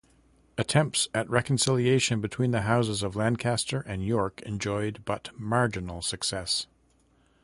Attempts at reconciliation between the houses of Lancaster and York enjoyed but marginal success.